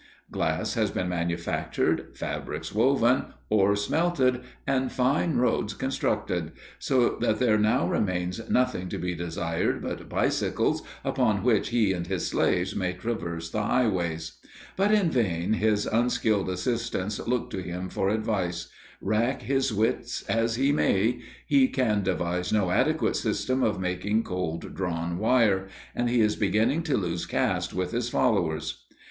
Glass has been manufactured, fabrics woven, ore smelted and fine roads constructed, so that there now remains nothing to be desired but bicycles upon which he and his slaves may traverse the highways. But in vain his unskilled assistants look to him for advice; rack his wits as he may, he can devise no adequate system of making cold drawn wire, and he is beginning to lose caste with his followers.